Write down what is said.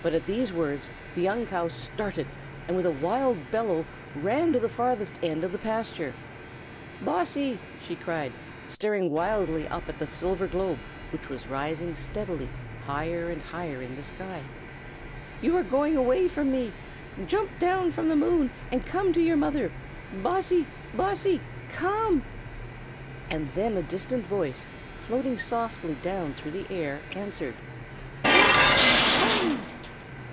But at these words the young cow started, and with a wild bellow ran to the farthest end of the pasture. "Bossy!" she cried, staring wildly up at the silver globe, which was rising steadily higher and higher in the sky, "you are going away from me! Jump down from the moon, and come to your mother! Bossy! Bossy! Come!" And then a distant voice, floating softly down through the air, answered, "Come! come!"